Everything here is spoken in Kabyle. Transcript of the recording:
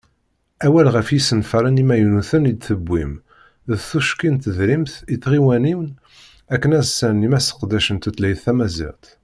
Awal ɣef yisenfaren imaynuten i d-tewwim, d tukci n tedrimt i tɣiwanin akken ad snernim aseqdec n tutlayt tamaziɣt